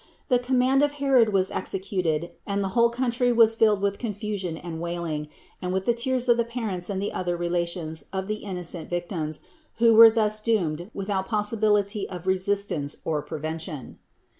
The com mand of Herod was executed and the whole country was filled with confusion and wailing, and with the tears of the parents and of the other relations of the innocent victims, who were thus doomed without any possibility of resistance or prevention.